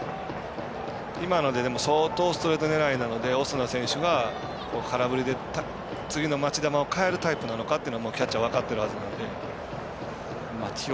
今ので相当ストレート狙いなのでオスナ選手が空振りで次の待ち球を変えるタイプなのかっていうのをキャッチャー分かってるはずなので。